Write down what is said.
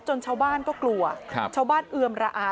ชาวบ้านก็กลัวชาวบ้านเอือมระอา